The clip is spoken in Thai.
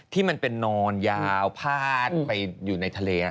ที่มันเป็นนอนยาวพาดไปอยู่ในทะเล